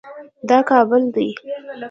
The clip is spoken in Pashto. دا کابل دی